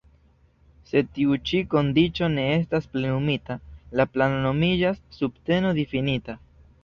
Se tiu ĉi kondiĉo ne estas plenumita, la plano nomiĝas "subteno-difinita".